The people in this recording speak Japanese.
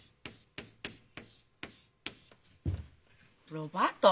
ロバート？